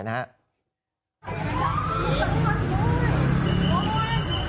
แกไปทานถึงพวกนี้